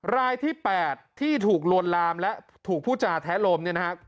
รายที่๘ที่ถูกลวนลามและถูกผู้จ่าแท้โลม